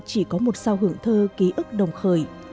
chỉ có một sao hưởng thơ ký ức đồng khởi